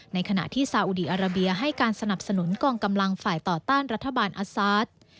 ในขณะที่ซาอุดีอาราเบียให้การสนับสนุนกองกำลังฝ่ายต่อต้านรัฐบาลอาซาส